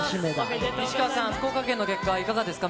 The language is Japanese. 西川さん、福岡県の結果はいかがですか？